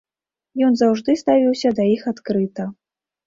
Ён заўжды ставіўся да іх адкрыта.